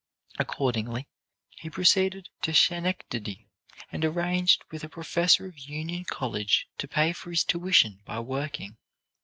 Accordingly, he proceeded to Schenectady, and arranged with a professor of Union College to pay for his tuition by working.